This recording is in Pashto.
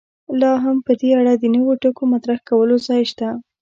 لا هم په دې اړه د نویو ټکو مطرح کولو ځای شته.